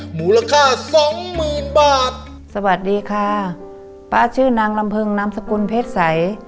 มูลค่าสองหมื่นบาทสวัสดีค่ะป๊าชื่อนางลำเพิงนามสกุลเพชรใส